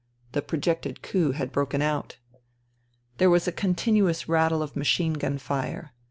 The projected coup had broken out. There was a continuous rattle of machine gun fire.